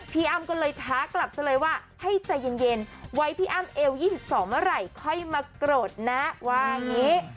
พี่อ้ำก็เลยท้ากลับซะเลยว่าให้ใจเย็นไว้พี่อ้ำเอว๒๒เมื่อไหร่ค่อยมาโกรธนะว่าอย่างนี้